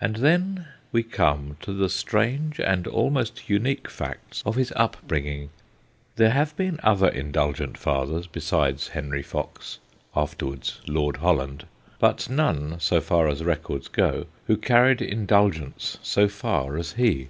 And then we come to the strange and almost unique facts of his upbringing. There have been other indulgent fathers besides Henry Fox, afterwards Lord Holland, but none, so far as records go, who carried in dulgence so far as he.